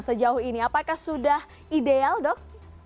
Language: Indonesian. sejauh ini apakah sudah ideal dok